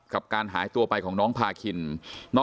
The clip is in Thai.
กับการหายตัวไปของน้องพาคิน